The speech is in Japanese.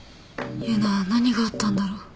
結奈何があったんだろ？